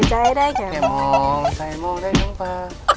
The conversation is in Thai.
ใจเมาอนใจเมาอนได้ยังเป่อ